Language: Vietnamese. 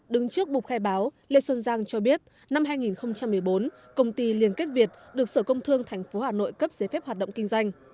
đứng trước bục khai báo lê xuân giang cho biết năm hai nghìn một mươi bốn công ty liên kết việt được sở công thương tp hà nội cấp giấy phép hoạt động kinh doanh